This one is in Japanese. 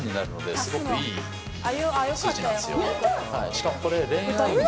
しかもこれ。